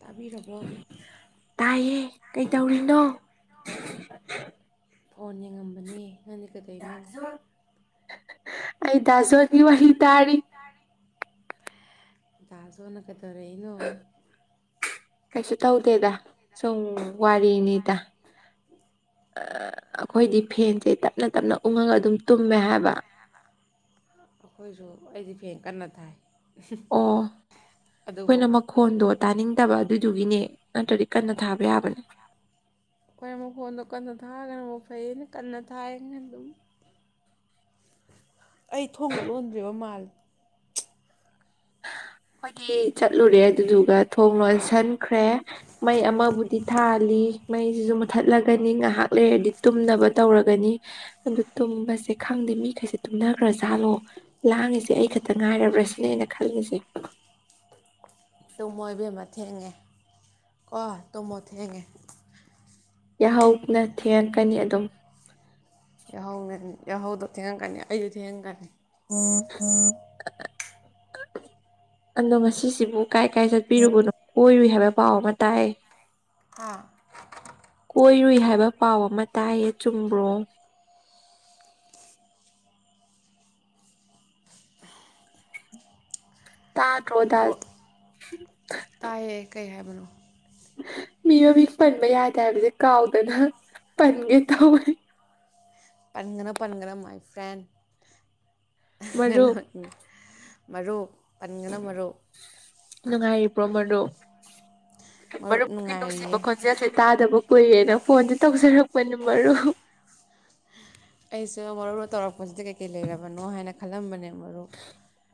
ꯇꯥꯕꯤꯔꯕꯣ ꯇꯥꯏꯌꯦ ꯀꯩꯗꯧꯔꯤꯅꯣ ꯐꯣꯟ ꯌꯦꯡꯉꯝꯕꯅꯦ ꯅꯪꯗꯤ ꯀꯗꯩꯅꯣ ꯑꯩ ꯗꯥ ꯖꯣꯟ ꯑꯩ ꯋꯥꯔꯤ ꯇꯥꯔꯤ ꯗꯥ ꯖꯣꯟꯅ ꯀꯗꯧꯔꯛꯏꯅꯣ ꯀꯩꯁꯨ ꯇꯧꯗꯦꯗ ꯁꯨꯝ ꯋꯥꯔꯤꯅꯤꯗꯥ ꯑꯑ ꯑꯩꯈꯣꯏꯗꯤ ꯐꯦꯟꯁꯦ ꯇꯞꯅ ꯇꯞꯅ ꯎꯡꯉꯒ ꯑꯗꯨꯝ ꯇꯨꯝꯃꯦ ꯍꯥꯏꯕ ꯑꯩꯈꯣꯏꯁꯨ ꯑꯩꯗꯤ ꯐꯦꯟ ꯀꯟꯅ ꯊꯥꯏ ꯑꯣ ꯑꯗꯨꯕꯨ ꯑꯩꯈꯣꯏꯅ ꯃꯈꯣꯟꯗꯣ ꯇꯥꯅꯤꯡꯗꯕ ꯑꯗꯨꯗꯨꯒꯤꯅꯦ ꯅꯠꯇ꯭ꯔꯗꯤ ꯀꯟꯅ ꯊꯥꯕ ꯌꯥꯕꯅꯦ [unintelligible] ꯐꯩꯌꯦꯅꯦ ꯀꯟꯅ ꯊꯥꯏꯌꯦ ꯑꯗꯨꯝ ꯑꯩ ꯊꯣꯡꯒ ꯂꯣꯟꯗ꯭ꯔꯤꯕ ꯃꯥꯜꯂꯤ ꯑꯩꯈꯣꯏꯗꯤ ꯆꯠꯂꯨꯔꯦ ꯑꯗꯨꯗꯨꯒ ꯊꯣꯡ ꯂꯣꯟꯁꯟꯈ꯭ꯔꯦ ꯃꯩ ꯑꯃꯕꯨꯗꯤ ꯊꯥꯜꯂꯤ ꯃꯩꯖꯤꯖꯨ ꯃꯨꯊꯠꯂꯒꯅꯤ ꯉꯍꯥꯛ ꯂꯩꯔꯗꯤ ꯇꯨꯝꯅꯕ ꯇꯧꯔꯒꯅꯤ ꯑꯗꯨ ꯇꯨꯝꯕꯁꯦ ꯈꯪꯗꯦ ꯃꯤꯈꯩꯁꯦ ꯇꯨꯝꯅꯈ꯭ꯔꯖꯥꯠꯂꯣ ꯂꯥꯡꯉꯤꯁꯦ ꯑꯩ ꯈꯛꯇ ꯉꯥꯏꯔꯕ꯭ꯔ ꯁꯤꯅꯦ ꯑꯩꯅ ꯈꯜꯂꯤꯖꯦ ꯇꯨꯃꯣ ꯏꯕꯦꯝꯃ ꯊꯦꯡꯉꯦ ꯀꯣ ꯇꯨꯃꯣ ꯊꯦꯡꯉꯦ ꯌꯥꯍꯧꯅ ꯊꯦꯡꯉꯛꯀꯅꯤ ꯑꯗꯨꯝ ꯌꯥꯍꯧ ꯉꯟ ꯌꯥꯍꯧꯗꯣ ꯊꯦꯡꯉꯛꯀꯅꯤ ꯑꯩꯖꯨ ꯊꯦꯡꯉꯛꯀꯅꯤ [inaudible] ꯑ ꯑꯗꯣ ꯉꯁꯤꯁꯤꯕꯨ ꯀꯥꯏ ꯀꯥꯏ ꯆꯠꯄꯤꯔꯨꯕꯅꯣ ꯀꯣꯏꯔꯨꯏ ꯍꯥꯏꯕ ꯄꯥꯎ ꯑꯃ ꯇꯥꯏ ꯍꯥꯥ ꯀꯣꯏꯔꯨꯏ ꯍꯥꯏꯕ ꯄꯥꯎ ꯑꯃ ꯇꯥꯏꯌꯦ ꯆꯨꯝꯕ꯭ꯔꯣ [inaudible] ꯇꯥꯗ꯭ꯔꯣ ꯗꯥ ꯀꯣ ꯇꯥꯏꯌꯦ [unintelligible] ꯃꯤ ꯃꯃꯤꯡ ꯄꯟꯕ ꯌꯥꯗꯦ ꯍꯥꯏꯕꯁꯦ ꯀꯥꯎꯗꯅ ꯄꯟꯒꯦ ꯇꯧꯋꯦ ꯄꯟꯒꯅꯣ ꯄꯟꯒꯅꯣ ꯃꯥꯏ ꯐ꯭ꯔꯦꯟ ꯃꯔꯨꯞ [unintelligible] ꯃꯔꯨꯞ ꯄꯟꯒꯅꯣ ꯃꯔꯨꯞ ꯅꯨꯡꯉꯥꯏꯔꯤꯕ꯭ꯔꯣ ꯃꯔꯨꯞ ꯃꯔꯨꯞ ꯃꯔꯨꯞꯒꯤ ꯅꯨꯡꯁꯤꯕ ꯅꯨꯡꯉꯥꯏꯔꯤꯌꯦ ꯈꯣꯟꯖꯦꯜꯁꯦ ꯇꯥꯗꯕ ꯀꯨꯏꯌꯦꯅ ꯐꯣꯟꯁꯦ ꯇꯧꯖꯔꯛꯄ ꯄꯅꯦ ꯃꯔꯨꯞ ꯑꯩꯁꯨ ꯃꯔꯨꯞꯅ ꯇꯧꯔꯛꯄꯁꯤꯗ ꯀꯩ ꯀꯩ ꯂꯩꯔꯕꯅꯣ ꯍꯥꯏꯅ ꯈꯜꯂꯝꯕꯅꯦ ꯃꯔꯨꯞ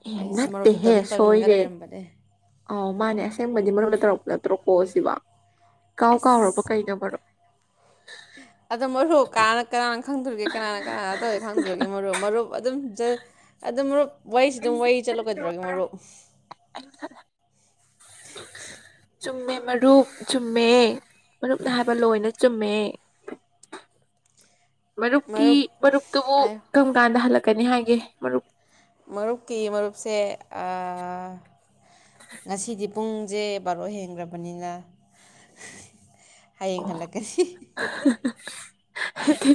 ꯑꯦ ꯑꯩꯁꯨ ꯃꯔꯨꯞꯇ ꯅꯠꯇꯦꯍꯦ ꯇꯧꯅꯤꯡ ꯇꯧꯅꯤꯡꯂꯒ ꯁꯣꯏꯔꯦ ꯂꯩꯔꯝꯕꯅꯦ ꯑꯧ ꯃꯥꯅꯦ ꯑꯁꯦꯡꯕꯗꯤ ꯃꯔꯨꯞꯅ ꯇꯧꯔꯛꯄ ꯅꯠꯇ꯭ꯔꯣ ꯀꯣꯜꯁꯤꯕꯣ ꯏꯀꯥꯎ ꯀꯥꯎꯔꯕ ꯀꯩꯅꯣ ꯃꯔꯨꯞ ꯑꯗꯣ ꯃꯔꯨꯞ ꯀꯅꯥꯅ ꯀꯅꯅ ꯈꯪꯗꯨꯔꯤꯒꯦ ꯀꯅꯥꯅ ꯀꯅꯥꯗ ꯇꯧꯑꯦ ꯈꯪꯗꯨꯔꯤꯒꯦ ꯃꯔꯨꯞ ꯃꯔꯨꯞ ꯑꯗꯨꯝ ꯖꯁ ꯑꯗꯨꯝ ꯃꯔꯨꯞ ꯋꯥꯔꯤꯁꯤꯗ ꯋꯥꯔꯤ ꯆꯠꯂꯣ ꯀꯩꯗꯧꯔꯒꯦ ꯃꯔꯨꯞ ꯆꯨꯝꯃꯦ ꯃꯔꯨꯞ ꯆꯨꯝꯃꯦ ꯃꯔꯨꯞꯅ ꯍꯥꯏꯕ ꯂꯣꯏꯅ ꯆꯨꯝꯃꯦ ꯃꯔꯨꯞꯀꯤ ꯃꯔꯨꯞ ꯃꯔꯨꯞꯇꯨꯕꯨ ꯍꯥꯏꯌꯨ ꯀꯝ ꯀꯥꯟꯗ ꯍꯜꯂꯛ ꯀꯩꯅꯤ ꯍꯥꯏꯒꯦ ꯃꯔꯨꯞ ꯃꯔꯨꯞꯀꯤ ꯃꯔꯨꯞꯁꯦ ꯑ ꯉꯁꯤꯗꯤ ꯄꯨꯡꯁꯦ ꯕꯥꯔꯣ ꯍꯦꯟꯈ꯭ꯔꯕꯅꯤꯅ ꯍꯌꯦꯡ ꯍꯜꯂꯛꯀꯅꯤ ꯅꯠꯇꯦ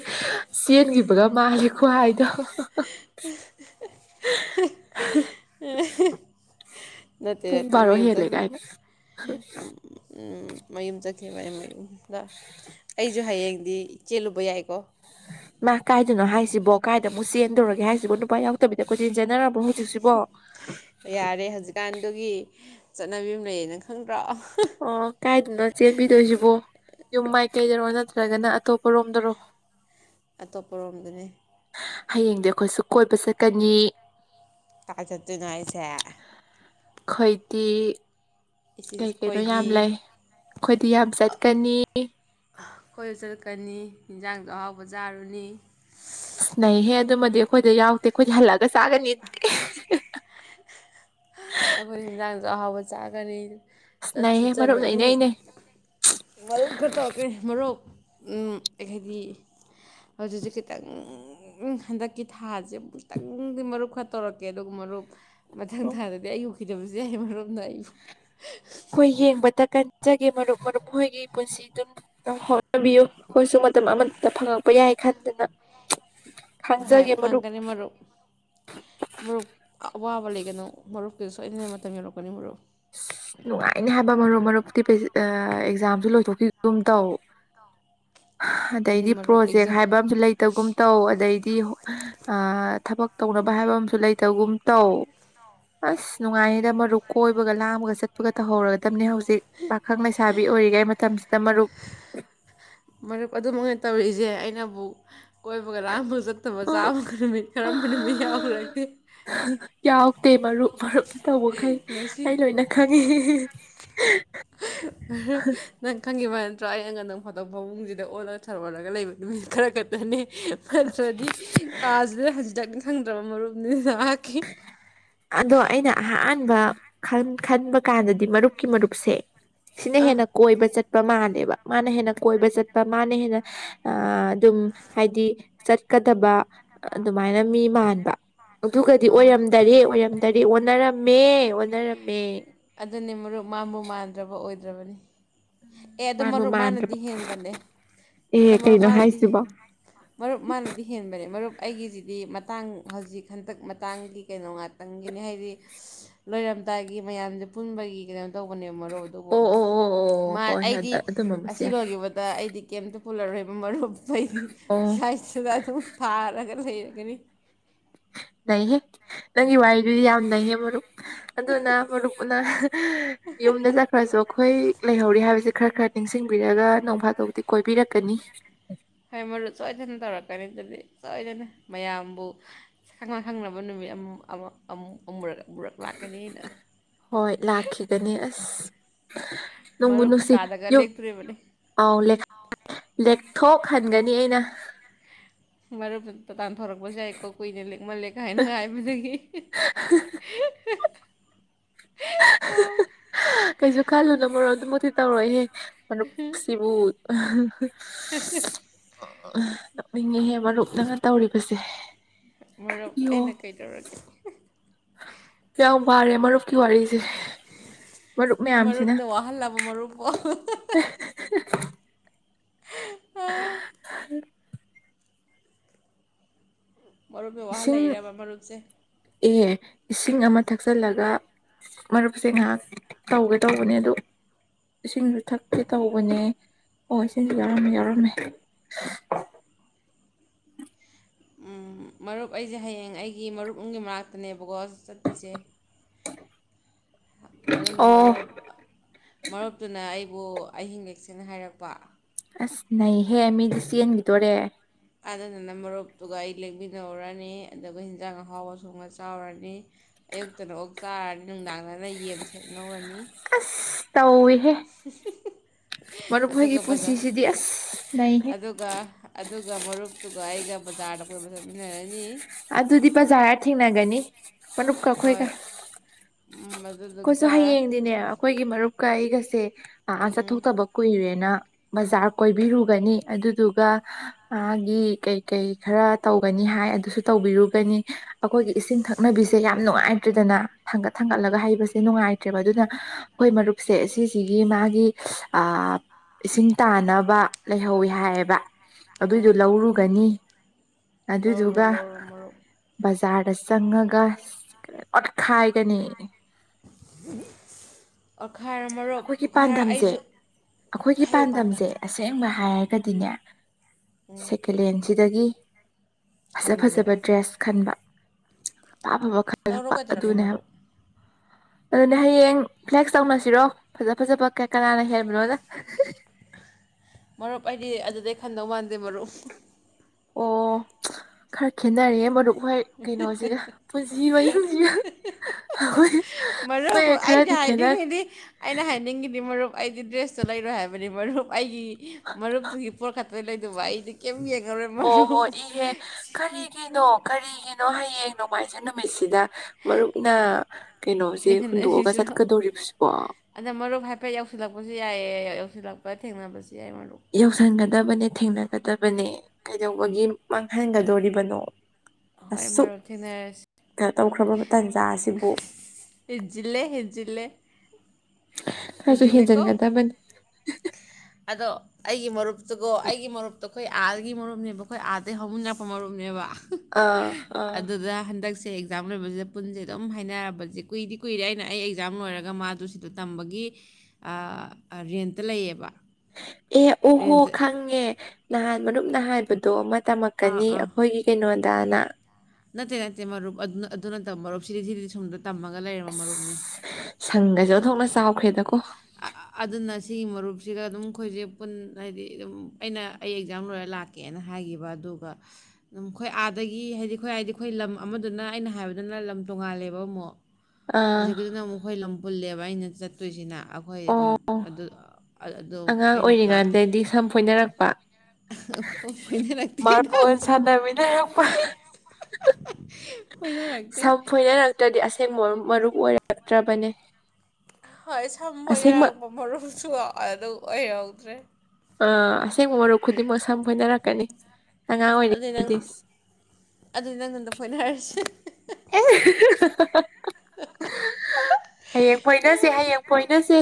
ꯆꯦꯟꯒꯤꯕ ꯄꯨꯂꯞ ꯃꯥꯒꯤ ꯈꯨꯍꯥꯏꯗꯣ ꯅꯠꯇꯦ ꯄꯨꯡ ꯅꯠꯇꯦ ꯕꯥꯔꯣ ꯃꯌꯨꯝ ꯍꯦꯜꯂꯦ ꯀꯥꯏꯅ ꯆꯈꯤꯕꯅꯤ ꯎꯝ ꯎꯝ ꯃꯌꯨꯝ ꯆꯠ ꯆꯠꯈꯤꯕꯅꯦ ꯃꯌꯨꯝꯗ ꯑꯩꯖꯨ ꯍꯌꯦꯡꯗꯤ ꯆꯦꯜꯂꯨꯕ ꯌꯥꯏꯀꯣ ꯃꯥ ꯀꯥꯏꯗꯅꯣ ꯍꯥꯏꯁꯤꯕꯣ ꯀꯥꯏꯗ ꯑꯃꯨꯛ ꯆꯦꯟꯗꯣꯔꯒꯦ ꯍꯥꯏꯁꯤꯕꯣ ꯅꯨꯄꯥ ꯌꯥꯎꯗꯕꯤꯗ ꯀꯣꯏꯆꯦꯟ ꯆꯦꯟꯅꯔꯕꯣ ꯍꯧꯖꯤꯛꯁꯤꯕꯣ ꯌꯥꯔꯦ ꯍꯧꯖꯤꯛꯀꯥꯟꯗꯨꯒꯤ ꯆꯠꯅꯕꯤ ꯑꯃ ꯂꯩꯌꯦ ꯅꯪ ꯈꯪꯗ꯭ꯔꯣ ꯑꯣ ꯀꯥꯏ ꯑꯗꯣ ꯆꯦꯟꯕꯤꯗꯣꯏꯁꯤꯕꯣ ꯌꯨꯝ ꯃꯥꯏꯀꯩꯗꯔꯣ ꯅꯠꯇ꯭ꯔꯒꯅ ꯑꯇꯣꯞꯄ ꯔꯣꯝꯗꯔꯣ ꯑꯇꯣꯞꯄ ꯔꯣꯝꯗꯅꯤ ꯍꯌꯦꯡꯗꯤ ꯑꯩꯈꯣꯏꯁꯨ ꯀꯣꯏꯕ ꯆꯠꯀꯅꯤ ꯀꯥꯏ ꯆꯠꯇꯣꯏꯅꯣ ꯍꯥꯏꯁꯦ ꯈꯣꯏꯗꯤ ꯏꯁ ꯀꯩ ꯀꯩꯅꯣ ꯑꯩꯈꯣꯏꯗꯤ ꯌꯥꯝ ꯂꯩ ꯑꯩꯈꯣꯏꯗꯤ ꯌꯥꯝ ꯆꯠꯀꯅꯤ ꯈꯣꯏꯁꯨ ꯆꯠꯀꯅꯤ ꯍꯤꯅꯖꯥꯡꯁꯨ ꯑꯍꯥꯎꯕ ꯆꯥꯔꯨꯅꯤ ꯑꯁ ꯅꯩꯍꯦ ꯑꯗꯨꯃꯗꯤ ꯑꯩꯈꯣꯏꯗ ꯌꯥꯎꯗꯦ ꯑꯩꯈꯣꯏꯗꯤ ꯍꯜꯂꯛꯑꯒ ꯆꯥꯒꯅꯤ ꯑꯩꯈꯣꯏꯁꯨ ꯍꯤꯟꯖꯥꯡꯁꯨ ꯑꯍꯥꯎꯕ ꯆꯥꯒꯅꯤ ꯑꯁ ꯆꯠꯁꯨ ꯅꯩꯍꯦ ꯃꯔꯨꯞꯅ ꯆꯠꯂꯨꯅꯤ ꯏꯅꯩꯅꯩ꯫ ꯃꯔꯨꯞ ꯈꯔ ꯇꯧꯔꯛꯀꯦ ꯃꯔꯨꯞ ꯎꯃ ꯍꯥꯏꯗꯤ ꯍꯧꯖꯤꯛꯁꯦ ꯈꯤꯇꯪ ꯍꯟꯗꯛꯀꯤ ꯊꯥꯁꯦ ꯑꯃꯨꯛꯇꯪꯗꯤ ꯃꯔꯨꯞ ꯈꯔ ꯇꯧꯔꯛꯀꯦ ꯗꯨ ꯃꯔꯨꯞ ꯃꯊꯪ ꯑꯩꯈꯣꯏ ꯊꯥꯗ ꯎꯈꯤꯗꯕꯁꯨ ꯌꯥꯏ ꯃꯔꯨꯞꯅ ꯑꯩ ꯈꯣꯏ ꯌꯦꯡꯕꯗ ꯍꯣꯏ ꯐꯪꯒꯅꯤ ꯃꯔꯨꯞ ꯃꯔꯨꯞ ꯑꯋꯥꯕ ꯂꯩꯒꯅꯣ ꯃꯔꯨꯞꯀꯤꯨꯁꯨ ꯁꯣꯏꯗꯅ ꯃꯇꯝ ꯌꯧꯔꯛꯀꯅꯤ ꯃꯔꯨꯞ ꯑꯁ ꯅꯨꯡꯉꯥꯏꯅꯤ ꯍꯥꯏꯕ ꯃꯔꯨꯞ ꯃꯔꯨꯞꯇꯤ ꯄꯦꯖꯤ ꯑꯥ ꯑꯦꯛꯖꯥꯝꯁꯨ ꯂꯣꯏꯊꯣꯛꯈꯤꯒꯨꯝ ꯇꯧ ꯑꯗꯨꯅꯤ ꯑꯗꯩꯗꯤ ꯃꯔꯨꯞ ꯄ꯭ꯔꯣꯖꯦꯛ ꯑꯦꯛꯖꯥꯝ ꯍꯥꯏꯕ ꯑꯝꯁꯨ ꯂꯩꯇꯒꯨꯝ ꯇꯧ ꯑꯗꯩꯗꯤ ꯑꯥ ꯊꯕꯛ ꯇꯧꯅꯕ ꯍꯥꯏꯕ ꯑꯃꯁꯨ ꯂꯩꯇꯒꯨꯝ ꯇꯧ ꯑꯁ ꯅꯨꯡꯉꯥꯏꯑꯦꯗ ꯃꯔꯨꯞ ꯀꯣꯏꯕ ꯕꯒ ꯂꯥꯡꯕꯒ ꯆꯠꯄꯒ ꯇꯧꯍꯧꯔꯗꯝꯅꯦ ꯍꯧꯖꯤꯛ ꯍꯤꯛ ꯄꯥꯈꯪ ꯂꯩꯁꯥꯕꯤ ꯑꯣꯏꯔꯤꯉꯩ ꯃꯇꯝꯁꯤꯗ ꯃꯔꯨꯞ ꯃꯔꯨꯞ ꯑꯗꯨꯃꯛꯅ ꯇꯧꯔꯤꯁꯦ ꯑꯩꯅꯕꯨ ꯀꯣꯏꯕꯒ ꯂꯥꯡꯕꯒ ꯆꯠꯇꯕ ꯆꯥꯕꯒ ꯅꯨꯃꯤꯠ ꯀꯔꯝꯕ ꯅꯨꯃꯤꯠ ꯌꯥꯎꯔꯒꯦ ꯇꯦ ꯃꯔꯨꯞ ꯃꯔꯨ ꯇꯧꯕꯈꯩ ꯑꯩ ꯂꯣꯏꯅ ꯈꯪꯉꯦ ꯅꯪ ꯈꯪꯉꯤꯕ ꯅꯠꯇ꯭ꯔꯣ ꯑꯩꯉꯟ ꯅꯪ ꯐꯃꯨꯡꯁꯤꯗ ꯑꯣꯜꯂꯒ ꯊꯔ ꯑꯣꯜꯂꯒ ꯂꯩꯕ ꯅꯨꯃꯤꯠ ꯈꯔ ꯈꯛꯇꯅꯦ ꯅꯠꯇ꯭ꯔꯗꯤ ꯀꯥꯥꯁꯤꯗ ꯍꯖꯤ ꯇ ꯈꯪꯗ꯭ꯔꯕ ꯃꯔꯨꯞꯅꯤ ꯅꯍꯥꯛꯀꯤ ꯑꯗꯣ ꯑꯩꯅ ꯑꯍꯥꯟꯕ ꯈꯟ ꯈꯟꯕ ꯀꯥꯟꯗꯗꯤ ꯃꯔꯨꯞꯀꯤ ꯃꯔꯨꯞꯁꯦ ꯁꯤꯅ ꯑꯥ ꯍꯦꯟꯅ ꯀꯣꯏꯕ ꯆꯠ ꯕ ꯃꯥꯟꯂꯦꯕ ꯃꯥꯅ ꯍꯦꯟꯅ ꯀꯣꯏꯕ ꯆꯠꯄ ꯃꯥꯅ ꯍꯦꯟꯅ ꯑꯥ ꯗꯨꯝ ꯍꯥꯏꯗꯤ ꯆꯠꯀꯗꯕ ꯑꯗꯨꯃꯥꯏꯅ ꯃꯤ ꯃꯥꯟꯕ ꯑꯗꯨꯒꯗꯤ ꯑꯥ ꯑꯣꯏꯔꯝꯗꯔꯦ ꯑꯣꯏꯔꯝꯗꯔꯦ ꯑꯣꯟꯅꯔꯝ ꯃꯦ ꯑꯣꯟꯅꯔꯝꯃꯦ ꯑꯗꯨꯅꯤ ꯃꯔꯨꯞ ꯃꯥꯟꯕꯨ ꯃꯥꯟꯗ꯭ꯔꯕ ꯑꯣꯏꯗ꯭ꯔꯕꯅꯤ ꯑꯦ ꯑꯗꯨ ꯃꯥꯟꯕꯨ ꯃꯔꯨꯞ ꯃꯥꯅꯗꯤ ꯃꯥꯟꯗ꯭ꯔꯕ ꯍꯦꯟꯕꯅꯦ ꯑꯗꯣ ꯑꯦ ꯃꯔꯨꯞ ꯀꯩꯅꯣ ꯃꯥꯅꯗꯤ ꯍꯥꯏꯁꯤꯕꯣ ꯃꯔꯨꯞ ꯃꯥꯅꯗꯤ ꯍꯦꯟꯕꯅꯦ ꯃꯔꯨꯞ ꯑꯩꯒꯤꯖꯤꯗꯤ ꯃꯇꯥꯡ ꯍꯧꯖꯤꯛ ꯍꯟꯗꯛ ꯃꯇꯥꯡꯒꯤ ꯀꯩꯅꯣ ꯉꯥ ꯪ [unintelligible] ꯒꯤꯅꯤ ꯍꯥꯏꯗꯤ ꯂꯣꯏꯔꯝꯗꯥꯏꯒꯤ ꯃꯌꯥꯝ ꯄꯨꯟꯕꯒꯤ ꯀꯩꯅꯣ ꯇꯧꯒꯅꯦꯕ ꯃꯔꯨ ꯑꯗꯨꯕꯨ ꯑꯣ ꯑꯣ ꯑꯣ ꯑꯣ ꯍꯣꯏ ꯍꯣꯏ ꯑꯩꯗꯤ ꯑꯗꯨꯝꯕꯕꯨꯁꯨ ꯑꯁꯤ ꯌꯥꯏ ꯂꯣꯏꯤꯈꯤꯕꯗ ꯑꯩꯗꯤ ꯀꯩꯇ ꯄꯨꯜꯂꯔꯣꯏ ꯃꯔꯨꯞ ꯅꯣꯏꯗꯤ ꯑꯣ [unintelligible] ꯑꯗꯨꯝ ꯊꯥꯔꯒ ꯂꯩꯔꯦ [unintelligible] ꯒꯤꯅꯤ ꯂꯩꯍꯦ ꯅꯪꯒꯤ ꯋꯥꯔꯤꯗꯨꯗꯤ ꯌꯥꯝ ꯅꯩꯌꯦ ꯃꯔꯨꯞ ꯑꯗꯨꯅ ꯃꯔꯨꯞꯅ ꯌꯨꯝꯗ ꯆꯠꯈ꯭ꯔꯁꯨ ꯑꯩꯈꯣꯏ ꯂꯩꯍꯧꯔꯤ ꯍꯥꯏꯕ ꯁꯦ ꯈꯔ ꯈꯔ ꯅꯤꯡꯁꯤꯡꯕꯤꯔꯒ ꯅꯣꯡꯐꯥꯗꯧꯗꯤ ꯀꯣꯏꯕꯤꯔꯛꯀꯅꯤ ꯍꯣꯏ ꯃꯔꯨꯞ ꯁꯣꯏꯗꯅ ꯇꯧꯔꯛꯀꯅꯤ ꯑꯗꯨꯗꯤ ꯁꯣꯏꯗꯅ ꯃꯌꯥꯝꯕꯨ ꯁꯪꯅ ꯈꯪꯅꯕ ꯅꯨꯃꯤꯠ ꯑꯝ ꯑꯃ ꯑꯃꯨ ꯑꯃꯨꯔꯛꯀ ꯍꯣꯏ ꯂꯥꯛꯈꯤꯒꯅꯤ ꯑꯁ ꯅꯣꯡꯕꯨ ꯃꯔꯨꯞ ꯅꯨꯡꯁꯤ ꯀꯩꯀꯥꯗꯒ ꯌꯨꯝ ꯂꯦꯛꯇꯣꯔꯤꯕꯅꯤ ꯑꯥꯎ ꯂꯦꯛꯊꯣꯛ ꯈꯟꯒꯅꯤ ꯑꯩꯅ ꯃꯔ ꯇ ꯇꯥꯟ ꯊꯣꯔꯛꯄꯁꯨ ꯌꯥꯏꯀꯣ ꯀꯨꯏꯅ ꯂꯦꯛꯃꯂꯦꯛ ꯍꯥꯏꯥꯏꯅ ꯍꯥꯏꯕꯗꯒꯤ ꯀꯩꯁꯨ ꯈꯜꯂꯨꯅ ꯃꯔꯣ ꯑꯗꯨꯃꯨꯛꯇꯤ ꯇꯧꯔꯣꯏꯍꯦ ꯃꯔꯨꯞ ꯁꯤꯕꯨ ꯍꯝ ꯑꯥ ꯃꯤꯉꯤꯍꯦ ꯃꯔꯨꯞꯅꯪꯅ ꯇꯧꯔꯤꯕꯁꯦ ꯃꯔꯨꯞ ꯑꯩꯅ ꯀꯩꯗꯧꯔꯒꯦ ꯀ ꯋꯥꯔꯦ ꯃꯔꯨꯞꯀꯤ ꯋꯥꯔꯤꯁ ꯃꯔꯨꯞꯅ ꯋꯥꯍꯜꯂꯕ ꯃꯔꯨꯞꯄꯣ ꯍꯍ ꯍꯍ ꯍ [inaudible] ꯃꯔꯨꯞꯅ ꯏꯁꯤꯡ ꯋꯥꯍꯜꯂꯛꯔꯕ ꯃꯔꯨꯞꯁꯦ ꯑꯦ ꯏꯁꯤꯡ ꯑꯃ ꯊꯛꯆꯤꯜꯂꯒ ꯃꯔꯨꯞꯁꯦ ꯉꯥꯏꯍꯥꯛ ꯇꯧꯒꯦ ꯇꯧꯕꯅꯦ ꯑꯗꯨ ꯏꯁꯤꯡꯁꯨ ꯊꯛꯀꯦ ꯇꯧꯕꯅꯦ ꯑꯣ ꯏꯁꯤꯡꯁꯨ ꯌꯥꯎꯔꯝꯃꯦ ꯌꯥꯎꯔꯝꯃꯦ ꯎꯝ ꯃꯔꯨꯞ ꯑꯩꯁꯦ ꯍꯌꯦꯡ ꯑꯩꯒꯤ ꯃꯔꯨꯞ ꯑꯃꯒꯤ ꯃꯅꯥꯛꯇꯅꯦꯕꯀꯣ ꯆꯠꯇ꯭ꯣꯏꯁꯦ ꯑꯗꯨꯅ ꯑꯣ ꯃꯔꯨꯞ ꯃꯔꯨꯞꯇꯨꯅ ꯑꯩ ꯑꯣ ꯑꯍꯤꯡꯂꯦꯛꯁꯦꯅ ꯍꯥꯏꯔꯛꯄ ꯑꯁ ꯅꯩꯍꯦ ꯃꯤꯗꯤ ꯆꯦꯟꯈꯤꯗꯣꯔꯦ ꯑꯗꯨꯗꯅ ꯃꯔꯨꯞꯇꯨꯒ ꯑꯩ ꯂꯦꯡꯃꯤꯟꯅꯧꯔꯅꯤ ꯑꯗꯨꯒ ꯍꯟꯖꯥꯡ ꯑꯍꯥꯎ ꯁꯣꯡꯉ ꯆꯥꯎꯔꯅꯤ ꯑꯌꯨꯛꯇꯅ ꯑꯣꯛ ꯆꯥꯔꯅꯤ ꯅꯨꯡꯗꯥꯡꯗꯅ ꯌꯦꯟ ꯉꯔꯅꯤ ꯑꯁꯁ ꯇꯧꯏꯍꯦ ꯃꯔꯨꯞ ꯃꯈꯣꯏꯒꯤ ꯑꯗꯨꯒ ꯕꯖꯥꯔ ꯄꯨꯟꯁꯤꯁꯤꯗꯤ ꯑꯁ ꯅꯩꯍꯦ ꯑꯗꯨꯒ ꯑꯗꯨꯒ ꯃꯔꯨꯞꯇꯨꯒ ꯑꯩꯒ ꯕꯖꯥꯔꯗ ꯀꯣꯏꯕ ꯆꯠꯃꯤꯟꯅꯔꯅꯤ ꯑꯗꯨꯗꯤ ꯕꯖꯥꯔꯗ ꯊꯦꯡꯅꯒꯅꯤ ꯃꯔꯨꯞ ꯀ ꯑꯩꯈꯣꯏ ꯒ ꯍꯣꯏ ꯎꯝ ꯑꯩꯈꯣꯏꯁꯨ ꯑꯗꯨꯗꯨꯒ ꯍꯌꯦꯡꯗꯤꯅꯦ ꯑꯩꯈꯣꯏꯒꯤ ꯃꯔꯨꯞꯀ ꯑꯩꯒꯁꯦ ꯑ ꯑꯥ ꯎꯝ ꯆꯠꯊꯣꯛꯇꯕ ꯀꯨꯏꯔꯦꯅ ꯕꯖꯥꯔ ꯀꯣꯏꯕꯤꯔꯨꯒꯅꯤ ꯑꯗꯨꯗꯨꯒ ꯃꯥꯒꯤ ꯀꯩ ꯀꯩ ꯈꯔ ꯇꯧꯒꯅꯤ ꯍꯥꯏ ꯑꯗꯨꯁꯨ ꯇꯧꯕꯤꯔꯨꯒꯅꯤ ꯑꯩꯈꯣꯏꯒꯤ ꯏꯁꯤꯡ ꯊꯛꯅꯕꯤꯁꯦ ꯌꯥꯝ ꯅꯨꯡꯉꯥꯏꯇ꯭ꯔꯦꯗꯅ ꯊꯥꯡꯒꯠ ꯎꯝ ꯊꯥꯡꯒꯠꯂꯒ ꯍꯩꯕꯁꯦ ꯍꯥꯏꯇ꯭ꯔꯦꯕ ꯑꯗꯨꯅ ꯑꯩꯈꯣꯏ ꯃꯔꯨꯞꯁꯦ ꯁꯤꯁꯤꯒꯤ ꯃꯥꯒꯤ ꯑꯑ ꯏꯁꯤꯡ ꯇꯥꯅꯕ ꯂꯩꯍꯧꯋꯤ ꯍꯥꯏꯌꯦꯕ ꯑꯗꯨꯏꯗꯣ ꯎꯝ ꯂꯧꯔꯨꯒꯅꯤ ꯂꯧꯔꯣ ꯑꯗꯨꯗꯨꯒ ꯂꯧꯔꯣ ꯃꯔꯨꯞ ꯕꯖꯥ ꯕꯖꯥꯔꯗ ꯆꯪꯉꯥꯒ ꯑꯣꯠꯈꯥꯏꯒꯅꯤ ꯑ ꯑꯩꯈꯣꯏꯒꯤ ꯄꯥꯟꯗꯝꯁꯦ ꯑꯩꯈꯣꯏꯒꯤ ꯍꯌꯨ ꯄꯥꯟꯗꯝ ꯄꯥꯟꯗꯝꯁꯦ ꯑꯁꯦꯡꯕ ꯎꯝ ꯍꯥꯏꯔꯒꯗꯤꯅꯦ ꯎꯝ ꯁꯦꯀꯦꯜꯂꯦꯟꯁꯤꯗꯒꯤ ꯐꯖ ꯈꯟꯕꯅꯦꯕ ꯐꯖꯕ ꯗ꯭ꯔꯦꯁ ꯈꯟꯕ ꯑꯐꯕ ꯇꯧꯔꯣ ꯈꯜꯂꯛꯄ ꯀꯩꯗꯧꯔꯒꯦ ꯑꯗꯨꯅꯦꯕ ꯃꯔꯨꯞ ꯑꯗꯨꯅꯦ ꯍꯌꯦꯡ ꯐ꯭ꯂꯦꯛꯁ ꯇꯧꯅꯁꯤꯔꯣ ꯐꯖ ꯐꯖꯕ ꯀ ꯀꯅꯥꯅ ꯍꯦꯟꯕꯅꯣꯅ ꯃꯔꯨꯞ ꯑꯩꯗꯤ ꯑꯗꯨꯗꯩ ꯈꯟꯗꯧ ꯃꯥꯟꯗꯦ ꯃꯔꯨꯞ ꯑꯣ ꯈꯔ ꯈꯦꯠꯅꯔꯦ ꯃꯔꯨꯞ ꯍꯣꯏ ꯀꯩꯅꯣꯁꯤꯒ ꯄꯨꯟꯁꯤ ꯃꯍꯤꯡꯁꯤꯒ ꯑꯩꯈꯣꯏ ꯃꯔꯨꯞ ꯑꯩꯈꯣꯏ ꯑꯩꯅ ꯈꯔꯗꯤ ꯈꯦꯠꯅꯔꯦ ꯍꯥꯏꯅꯤꯡꯉꯤꯗꯤ ꯑꯩꯅ ꯍꯥꯏꯅꯤꯡꯉꯤꯗꯤ ꯃꯔꯨꯞ ꯑꯩꯗꯤ ꯗ꯭ꯔꯦꯁꯇꯣ ꯂꯩꯔꯣꯏ ꯍꯥꯏꯕꯅꯤ ꯃꯔꯨꯞ ꯑꯩꯒꯤ ꯃꯔꯨꯞꯇꯨꯒꯤ ꯄꯣꯠ ꯑꯗꯨꯗꯩ ꯂꯩꯗꯧꯕ ꯑꯩꯥꯗꯤ ꯀꯦꯝ ꯑꯣꯍꯣ ꯏꯍꯦ ꯀꯔꯤꯒꯤꯅꯣ ꯀꯔꯤꯒꯤꯅꯣ ꯍꯌꯦꯡ ꯅꯨꯡꯃꯥꯏꯖꯤꯡ ꯅꯨꯃꯤꯠ ꯃꯤꯠꯁꯤꯗ ꯃꯔꯨꯞꯅ ꯀꯩꯅꯣꯁꯦ ꯍꯨꯟꯗꯣꯛꯑꯒ ꯅꯤꯡꯍꯟꯅꯔꯤꯁꯤꯔꯣ ꯆꯠꯀꯗꯣꯔꯤꯕꯁꯤꯕꯣ ꯑꯗ ꯃꯔꯨꯞ ꯍꯥꯏꯐꯦꯠ ꯌꯧꯁꯤꯜꯂꯛꯄꯁꯨ ꯌꯥꯏꯌꯦ ꯌꯧꯁꯤꯜꯂꯛꯄ ꯊꯦꯡꯅꯕꯁꯨ ꯌꯥꯏ ꯃꯔꯨ ꯌꯧꯁꯟꯒꯗꯕꯅꯦ ꯊꯦꯡꯅꯒꯗꯕꯅꯦ ꯀꯩꯗꯧꯕꯒꯤ ꯃꯥꯡꯍꯟꯒꯗꯣꯔꯤꯕꯅꯣ ꯍꯣꯏ ꯑꯁꯨꯛ ꯃꯔꯨꯞ ꯊꯦꯡꯅꯔꯁꯤ ꯀꯩꯅꯣ ꯇꯧꯈ꯭ꯔꯕ ꯇꯥꯟꯖꯥꯁꯤꯕꯨ ꯍꯦꯟꯖꯤꯜꯂꯦ ꯍꯦꯟꯖꯤꯜꯂꯦ ꯈꯔꯁꯨ ꯍꯦꯟꯖꯤꯜꯂꯦꯀꯣ ꯍꯦꯟꯖꯟꯒꯗꯕꯅꯤ ꯑꯗꯣ ꯑꯩꯒꯤ ꯃꯔꯨꯞ ꯑꯗꯨꯒꯣ ꯑꯩꯒꯤ ꯃꯔꯨꯞꯇꯣ ꯑꯩꯈꯣꯏ ꯑꯥꯗꯒꯤ ꯃꯔꯨꯞꯅꯦꯕ ꯑꯩꯈꯣꯏ ꯑꯥꯗꯒꯤ ꯍꯧꯃꯤꯟꯅꯔꯛꯄ ꯃꯔꯨꯞꯅꯦꯕ ꯑꯥ ꯑꯥ ꯁꯦ ꯑꯦꯛꯖꯥꯝ ꯂꯣꯏꯕꯁꯤꯗ ꯄꯨꯟꯁꯦ ꯑꯗꯨꯝ ꯍꯥꯏꯅꯔꯕꯁꯦ ꯀꯨꯏꯗꯤ ꯀꯨꯏꯔꯦ ꯑꯩꯅ ꯑꯩ ꯑꯦꯛꯖꯥꯝ ꯂꯣꯏꯔꯒ ꯃꯥꯗꯨ ꯁꯤꯗ ꯇꯝꯕꯒꯤ ꯑꯥ ꯔꯦꯟꯇ ꯂꯩꯌꯦꯕ ꯑꯦ ꯑꯣꯍꯣ ꯔꯦꯟꯇ ꯈꯪꯉꯦ ꯅꯍꯥꯟ ꯃꯔꯨꯞꯅ ꯍꯥꯏꯕꯗꯣ ꯑꯃ ꯑꯥ ꯇꯝꯃꯛꯀꯅꯤ ꯑꯥ ꯑꯩꯈꯣꯏꯒꯤ ꯀꯩꯅꯣ ꯇꯅꯥ ꯅꯠꯇꯦ ꯅꯠꯇꯦ ꯃꯔꯨꯞ ꯑꯗꯨ ꯑꯗꯨ ꯅꯠꯇꯕ ꯃꯔꯨꯞ ꯁꯤꯗꯩꯁꯤꯗꯤ [unintelligible] ꯇꯝꯃꯒ ꯂꯩꯔꯕ ꯃꯔꯨꯞꯅꯤ ꯑꯁ ꯁꯪꯒꯁꯦ ꯑꯣꯟꯊꯣꯛꯅ ꯆꯥꯎꯈ꯭ꯔꯦꯗꯀꯣ ꯑ-ꯑ ꯑꯗꯨꯅ ꯁꯤꯒꯤ ꯃꯔꯨꯞꯁꯤꯒ ꯑꯗꯨꯝ ꯑꯩꯈꯣꯏꯒꯩ ꯄꯨꯟ ꯍꯥꯏꯗꯤ ꯑꯗꯨꯝ ꯑꯩꯅ ꯑꯩ ꯑꯦꯛꯖꯥꯝ ꯂꯣꯏꯔ ꯂꯥꯛꯀꯦꯅ ꯍꯥꯏꯈꯤꯕ ꯑꯗꯨꯒ ꯑꯗꯨꯝ ꯑꯩꯈꯣꯏ ꯑꯥꯗꯒꯤ ꯍꯥꯏꯗꯤ ꯑꯩꯈꯣꯏ ꯍꯥꯏꯗꯤ ꯑꯩꯈꯣꯏ ꯂꯝ ꯑꯃꯗꯨꯅ ꯑꯩꯅ ꯍꯥꯏꯕꯗꯨꯅ ꯂꯝ ꯇꯣꯉꯥꯜꯂꯦꯕ ꯑꯃꯨꯛ ꯑꯥ [unintelligible] ꯑꯃꯨꯛ ꯈꯣꯏ ꯂꯝ ꯍꯨꯜꯂꯦꯕ ꯑꯩꯅ ꯆꯠꯇꯣꯏꯁꯤꯅ ꯍꯣꯏ ꯑꯗꯨꯝ ꯑꯣ ꯑꯗꯨ ꯑꯣ ꯑ ꯑꯗꯣ ꯑꯉꯥꯡ ꯑꯩꯅ ꯂꯥꯛꯀꯦ ꯑꯣꯏꯔꯤꯉꯥꯟꯗꯗꯤ ꯁꯝ ꯐꯣꯏꯅꯔꯛꯄ ꯐꯣꯏ ꯐꯣꯏꯅꯔꯛꯇꯦꯗ ꯃꯥꯔꯕꯣꯜ ꯁꯥꯟꯅꯃꯤꯟꯅꯔꯛꯄ ꯐꯣꯏꯅꯔꯛꯇꯦ ꯁꯝ ꯆꯠꯇ꯭ꯔꯕꯅꯦ ꯍꯣꯏ ꯁꯝ ꯐꯣꯏꯅꯔꯛꯄ ꯃꯔꯨꯞ [unintelligible] ꯑꯗꯨ ꯑꯣꯏꯍꯧꯗ꯭ꯔꯦ ꯑꯥ ꯑꯁꯦꯡꯕ ꯃꯔꯨꯞ ꯈꯨꯗꯤꯡꯃꯛ ꯁꯝ ꯐꯣꯏꯅꯔꯛꯀꯅꯤ ꯑꯉꯥꯡ ꯑꯗꯨꯗꯤ ꯅꯪ ꯑꯣꯏꯔꯤꯉꯩꯗꯤ ꯑꯗꯨꯗꯤ ꯅꯪ ꯅꯊꯟꯗ ꯐꯣꯏꯅꯔꯁꯤ ꯍꯥ-ꯍꯥ ꯍꯌꯦꯡ ꯐꯣꯏꯅꯁꯦ ꯍꯌꯦꯡ ꯐꯣꯏꯅꯁꯦ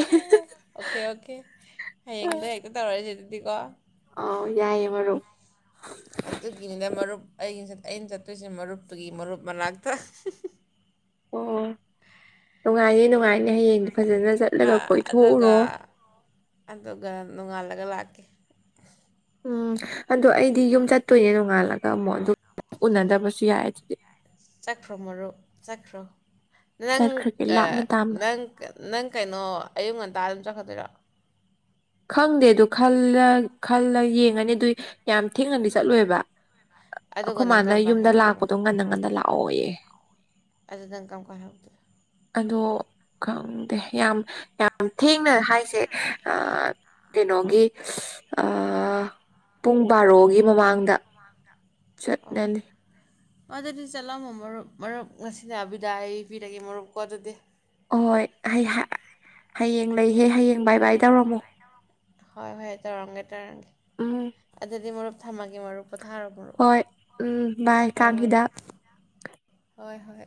ꯑꯣꯀꯦ ꯑꯣꯀꯦ ꯍꯌꯦꯡꯗ ꯍꯦꯛꯇ [unintelligible] ꯑꯥꯎ ꯌꯥꯏꯌꯦ ꯃꯔꯨꯞ ꯑꯗꯨꯒꯤꯅꯤꯗ ꯃꯔꯨꯞ ꯑꯩꯁ ꯑꯩꯅ ꯆꯠꯇꯣꯏꯁꯦ ꯃꯔꯨꯞꯇꯨꯒꯤ ꯃꯔꯨꯞ ꯃꯅꯥꯛꯇ ꯑꯣ ꯅꯨꯡꯉꯥꯏꯌꯦ ꯅꯨꯡꯉꯥꯏ ꯑꯥ ꯑꯗꯨꯒ ꯑꯗꯨꯒ ꯅꯣꯡꯉꯥꯜꯂꯒ ꯂꯥꯛ ꯑꯣꯀꯦ ꯎꯝ ꯑꯗꯣ ꯑꯩꯗꯤ ꯌꯨꯝ ꯆꯠꯇꯣꯏꯅꯦ ꯅꯣꯡꯉꯥꯜꯂꯒ ꯑꯃꯨꯛ ꯑꯗꯨ ꯎꯅꯗꯕꯁꯨ ꯌꯥꯏ ꯑꯗꯨꯗꯤ ꯆꯠꯈ꯭ꯔꯣ ꯃꯔꯨꯞ ꯆꯠꯈ꯭ꯔꯣ ꯅꯪ ꯆꯠꯈ꯭ꯔꯒꯦ ꯑ ꯂꯥꯞꯅ ꯇꯥꯝꯅ ꯅꯪ ꯅꯪ ꯀꯩꯅꯣ ꯑꯌꯨꯛ ꯉꯟꯇꯥ ꯑꯗꯨꯝ ꯆꯠꯈ [unintelligible] ꯈꯪꯗꯦ ꯑꯗꯨ ꯈꯜꯂ ꯈꯜꯂ ꯌꯦꯡꯉꯅꯤ ꯑꯗꯨꯏ ꯌꯥꯝ ꯊꯦꯡꯅꯗꯤ ꯆꯠꯂꯣꯏꯕ ꯑꯗꯨꯒ ꯑꯩꯈꯣꯏ ꯅꯪ ꯃꯥꯅ ꯀꯔꯝ ꯀꯥꯟ ꯌꯨꯝꯗ ꯍꯜꯂꯛꯇꯣꯏꯕ ꯂꯥꯛꯄꯗꯣ ꯉꯟꯅ ꯉꯟꯟꯅ ꯂꯥꯛ ꯑꯣꯏꯌꯦ ꯑꯗꯨ ꯅꯪ ꯀꯝꯀꯥꯟ ꯍꯂꯛꯇꯣꯏꯕ ꯑꯗꯣ ꯈꯪꯗꯦ ꯌꯥꯝ ꯌꯥꯝ ꯊꯦꯡꯅ ꯍꯥꯏꯁꯦ ꯑꯥ ꯀꯩꯅꯣꯒꯤ ꯑꯥ ꯄꯨꯡ ꯕꯥꯔꯣꯒꯤ ꯃꯃꯥꯡꯗ ꯑꯣ ꯆꯠꯂꯅꯤ ꯑꯗꯨꯗꯤ ꯆꯠꯂꯝꯃꯣ ꯃꯔꯨꯞ ꯃꯔꯨꯞ ꯉꯁꯤꯅꯥ ꯕꯤꯗꯥꯏ ꯄꯤꯔꯒꯦ ꯃꯔꯨꯞꯀꯣ ꯑꯗꯨꯗꯤ ꯍꯣꯏ ꯍꯦ-ꯍ-ꯑ ꯍꯌꯦꯡ ꯂꯩꯍꯦ ꯍꯌꯦꯡ ꯕꯥꯏ ꯕꯥꯏ ꯇꯧꯔꯝꯃꯨ ꯍꯣꯏ ꯍꯣꯏ ꯇꯧꯔꯝꯒꯦ ꯇꯧꯔꯝꯒꯦ ꯎꯝ ꯑꯗꯨꯗꯤ ꯃꯔꯨꯞ ꯊꯝꯃꯒꯦ ꯃꯔꯨꯞ ꯄꯣꯊꯥꯔꯕ꯭ꯔꯣ ꯃꯔꯨꯄ ꯍꯣꯏ ꯎꯝ ꯕꯥꯏ ꯍꯣꯏ ꯍꯣꯏ ꯀꯥꯡ ꯃꯔꯨꯞ ꯍꯤꯗꯥꯛ [inaudible] ꯍꯣꯏ ꯍꯣꯏ